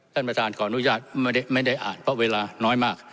ท่านประธานขออนุญาตไม่ได้อ่านเพราะเวลาน้อยมาก